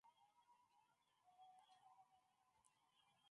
daktari wa mifugo alishukru sana kutembelea shamba